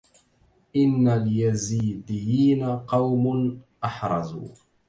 إن اليزيديين قوم أحرزوا